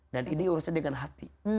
dan ini urusnya dengan hati